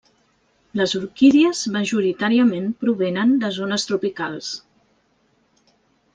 Les orquídies majoritàriament provenen de zones tropicals.